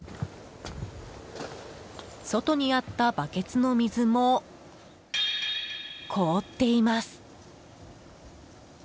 外にあったバケツの水も凍っています。